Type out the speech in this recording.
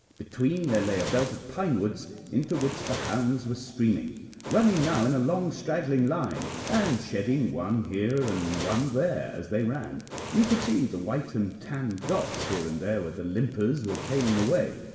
Between, there lay a belt of pine woods, into which the hounds were streaming, running now in a long, straggling line, and shedding one here and one there as they ran. You could see the white and tan dots here and there where the limpers were tailing away.